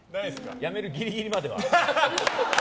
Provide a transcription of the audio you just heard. やめるギリギリまではある。